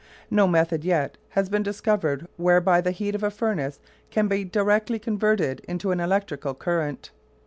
No method has yet been discovered whereby the heat of a furnace can be directly converted into an electric current.